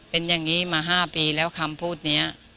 เป็นอย่างนี้มา๕ปีแล้วคำพูดนี้